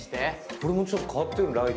これもちょっと変わってるね。